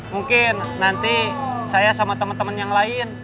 mungkin nanti saya sama temen temen yang lain